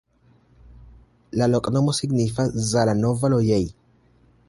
La loknomo signifas: Zala-nova-loĝej'.